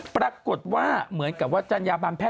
ปรากฏว่าเหมือนกับว่าจัญญาบันแพท